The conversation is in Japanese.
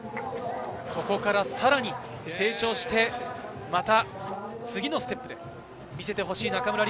ここから、さらに成長してまた、次のステップへ見せてほしい中村輪